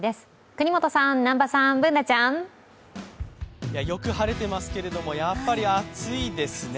國本さん、南波さん、Ｂｏｏｎａちゃん。よく晴れていますけれども、やっぱり暑いですね。